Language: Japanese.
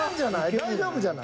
大丈夫じゃない？